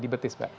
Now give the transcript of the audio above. di betis mbak